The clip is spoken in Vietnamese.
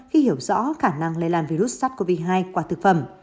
khi hiểu rõ khả năng lây lan virus sars cov hai qua thực phẩm